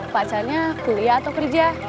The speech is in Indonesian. pacarnya kuliah atau kerja